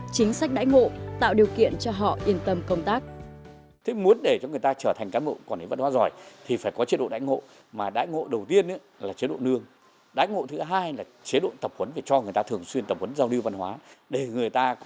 chính sách đáy ngộ tạo điều kiện cho họ yên tâm công tác